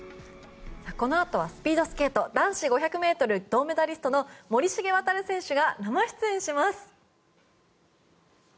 このあとはスピードスケート男子５００ｍ銅メダリストの森重航選手が生出演します。